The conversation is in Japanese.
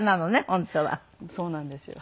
そうなんですよ。